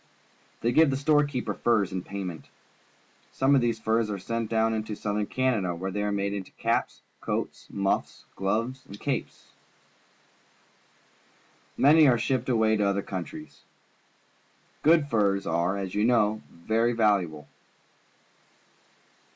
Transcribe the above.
They give the store keeper furs in payment. Some of these furs are sent down into Southern Canada, where they are made into caps, coats, muffs, gloves, and capes. Many are shipped away to other countries. Good furs are, as you know, very valuable.